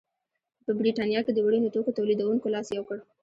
په برېټانیا کې د وړینو توکو تولیدوونکو لاس یو کړ.